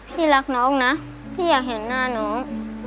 พี่รักน้องนะพี่อยากเห็นหน้าน้อง